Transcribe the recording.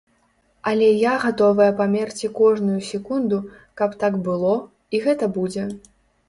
Але я гатовая памерці кожную секунду, каб так было, і гэта будзе.